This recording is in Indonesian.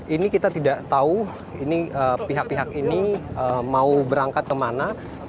ini kita tidak tahu pihak pihak ini mau berangkat kemana